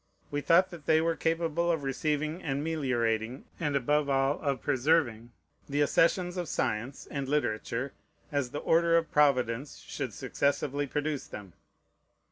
We thought that they were capable of receiving and meliorating, and above all of preserving, the accessions of science and literature, as the order of Providence should successively produce them.